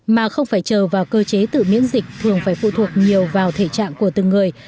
mà không phải chờ vào cơ chế tự miễn dịch thường phải phụ thuộc nhiều vào thể trạng của từng người